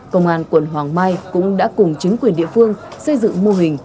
công an quận hoàng mai cũng đã cùng chính quyền địa phương xây dựng mô hình